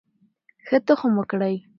ښه تخم وکرئ.